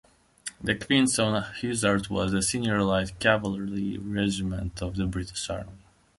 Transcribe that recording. The Queen's Own Hussars was the senior light cavalry regiment of the British Army.